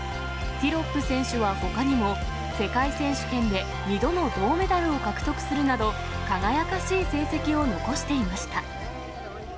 ティロップ選手はほかにも、世界選手権で２度の銅メダルを獲得するなど、輝かしい成績を残していました。